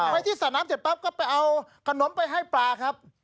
ไปที่สระน้ำเสร็จปั๊บก็ไปเอาขนมไปให้ปลาครับ